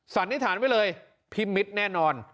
สันนิษฐานไว้เลยพิมิตรแน่นอน